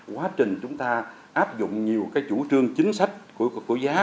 quá trình chúng ta áp dụng nhiều chủ trương chính sách của giá